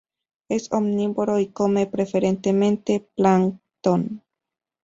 Es omnívoro y come preferentemente plancton.